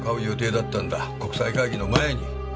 国際会議の前に。